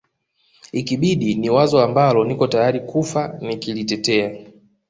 ikibidi ni wazo ambalo niko tayari kufa nikilitetea